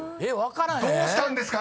［どうしたんですか？